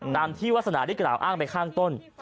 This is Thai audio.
ตามที่วาสนาได้กล่าวอ้างไปข้างต้น